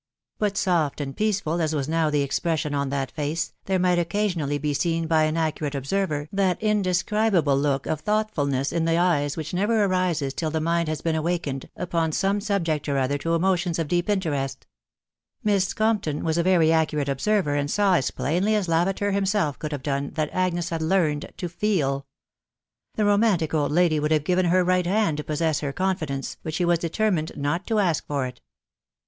But soft and peaceful as was now the expression of that face, there might occasionally be seen by an accurate observer ik&t indescribable look of tfooughtfulness in. the eyes which Merer arises till the mind has taen. m&e&aa^ >xpft\ wane subject or other, to emotions of teen iaafcaarafc. XBB WIDOW KAAKABV. 395 was a very accurate observer, and saw, as plainly as Lavater himself could have done, that Agnes had. learned to feel. The romantic old lady would hare given her right hand to possess her confidence, hut she was determined not to ask fox it.